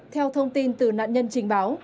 theo thông tin từ nạn nhân trình báo